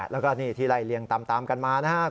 แล้วก็นี่ที่ไล่เลี่ยงตามกันมานะครับ